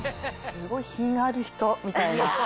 すごい品がある人みたいな。